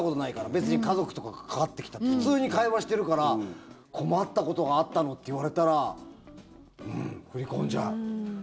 別に家族とか、かかってきたら普通に会話してるから困ったことがあったのって言われたらうん、振り込んじゃう。